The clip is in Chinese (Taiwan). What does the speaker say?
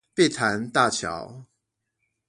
碧潭大橋